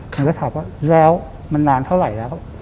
ผมก็ถามว่าแล้วมันนานเท่าไหร่แล้ว